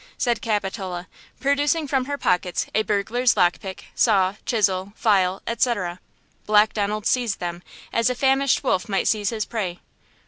said Capitola, producing from her pockets a burglar's lock pick, saw, chisel, file, etc. Black Donald seized them as a famished wolf might seize his prey.